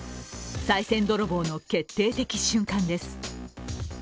さい銭泥棒の決定的瞬間です。